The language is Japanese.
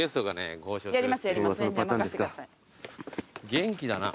元気だな。